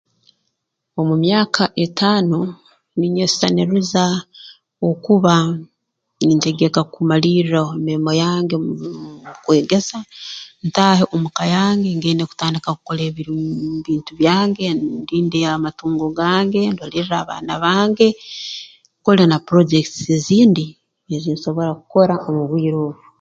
Omu myaka etaano ninyesisanirriza okuba nintegeka kumalirra omu mirimo yange mu kwegesa ntaahe omu ka yange ngende kutandika kukole ebintu byange ndinde amatungo gange ndolerre abaana bange nkole na projects ezindi ezi nsobora kukora omu bwire obu